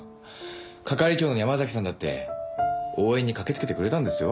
係長の山崎さんだって応援に駆けつけてくれたんですよ。